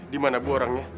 di mana bu orangnya